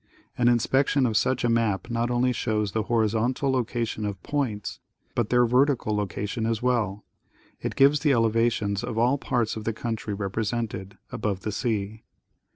An inspection of such a map not only shows the horizontal location of points, but their vertical location as well. It gives the elevations of all parts of the country represented, above the sea.